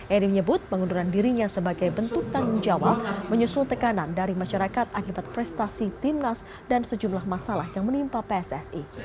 edi menyebut pengunduran dirinya sebagai bentuk tanggung jawab menyusul tekanan dari masyarakat akibat prestasi timnas dan sejumlah masalah yang menimpa pssi